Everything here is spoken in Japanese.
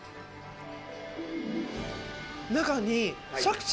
中に。